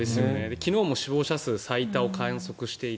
昨日も死亡者数、最多を観測していて。